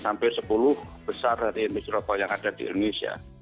sampai sepuluh besar dari industri rokok besar